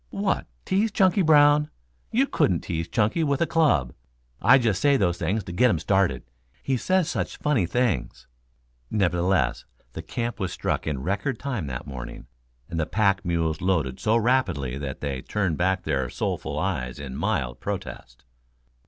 "What, tease Chunky Brown? You couldn't tease Chunky with a club. I just say those things to get him started. He says such funny things." Nevertheless, the camp was struck in record time that morning, and the pack mules loaded so rapidly that they turned back their soulful eyes in mild protest.